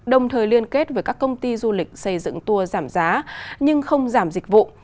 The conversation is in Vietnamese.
đồng thời liên kết với các công ty du lịch xây dựng tour giảm giá nhưng không giảm dịch vụ